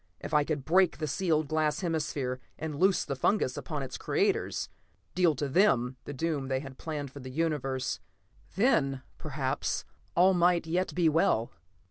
If I could break the sealed glass hemisphere, and loose the fungus upon its creators; deal to them the doom they had planned for the universe, then perhaps all might yet be well.